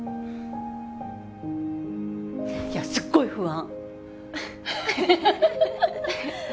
いやすっごい不安。